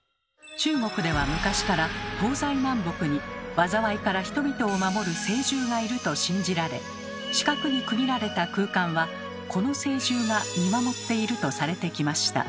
中国では昔から東西南北に災いから人々を守る「聖獣」がいると信じられ四角に区切られた空間はこの聖獣が見守っているとされてきました。